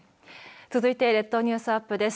続いて、列島ニュースアップです